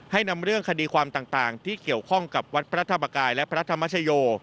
นำเรื่องคดีความต่างที่เกี่ยวข้องกับวัดพระธรรมกายและพระธรรมชโย